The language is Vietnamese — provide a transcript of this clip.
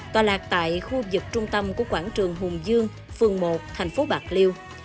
tòa lạc tại khu vực trung tâm của quảng trường hùng dương phường một thành phố bạc liêu